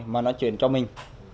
mà nó chuyển cho mình